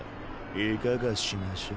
いかがしましょう？